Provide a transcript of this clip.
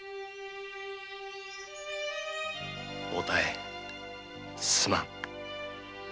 お妙すまん。